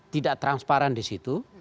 tidak transparan di situ